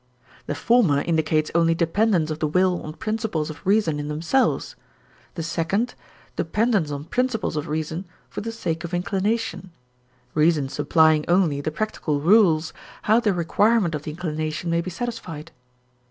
The former indicates only dependence of the will on principles of reason in themselves; the second, dependence on principles of reason for the sake of inclination, reason supplying only the practical rules how the requirement of the inclination may be satisfied.